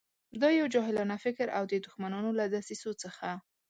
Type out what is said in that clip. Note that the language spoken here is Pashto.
دا یو جاهلانه فکر او د دښمنانو له دسیسو څخه.